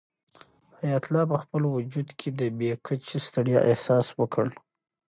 حیات الله په خپل وجود کې د بې کچې ستړیا احساس وکړ.